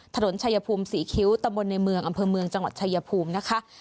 ถนนชัยภูมิสี่คิ๊วตรย์ในเมืองอำเพือมืองจังหวัดชัยภูมินะคะ